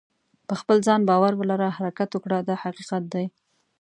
په خپل ځان باور ولره حرکت وکړه دا حقیقت دی.